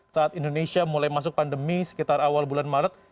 saat indonesia mulai masuk pandemi sekitar awal bulan maret